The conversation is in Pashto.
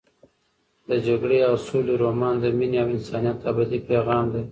د جګړې او سولې رومان د مینې او انسانیت ابدي پیغام دی.